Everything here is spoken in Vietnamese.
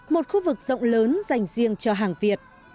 một khu vực rộng lớn dành riêng cho hàng việt